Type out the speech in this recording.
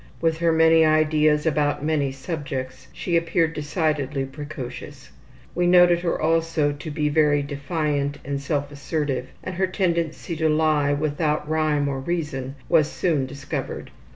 With her many ideas about many subjects, she appeared decidedly precocious. We noted her also to be very defiant and self assertive, and her tendency to lie without rhyme or reason was soon discovered.